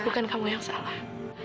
bukan kamu yang salah